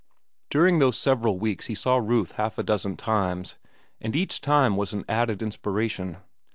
During those several weeks he saw Ruth half a dozen times, and each time was an added inspiration.